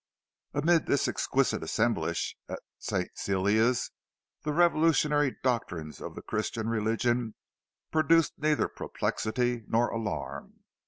Amid this exquisite assemblage at St. Cecilia's, the revolutionary doctrines of the Christian religion produced neither perplexity nor alarm.